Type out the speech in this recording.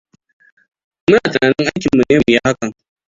Muna tunanin aikinmu ne mu yi hakan.